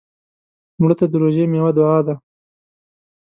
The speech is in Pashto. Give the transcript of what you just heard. مړه ته د روژې میوه دعا ده